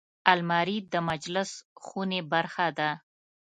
الماري د مجلس خونې برخه ده